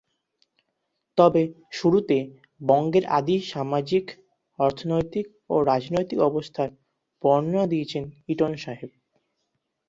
তবে শুরুতে বঙ্গের আদি সামাজিক, অর্থনৈতিক ও রাজনৈতিক অবস্থার বর্ণনা দিয়েছেন ইটন সাহেব।